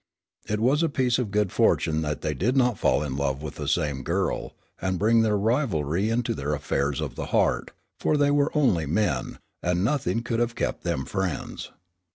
It was a piece of good fortune that they did not fall in love with the same girl and bring their rivalry into their affairs of the heart, for they were only men, and nothing could have kept them friends.